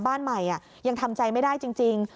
บ้านใหม่ยังทำใจไม่ได้จริง